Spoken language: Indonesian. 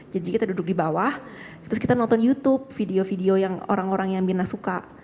jadi kita duduk di bawah terus kita nonton youtube video video yang orang orang yang mina suka